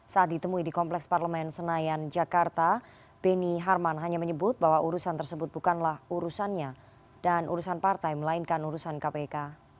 saat ditemui di kompleks parlemen senayan jakarta beni harman hanya menyebut bahwa urusan tersebut bukanlah urusannya dan urusan partai melainkan urusan kpk